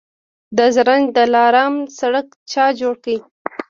د زرنج دلارام سړک چا جوړ کړ؟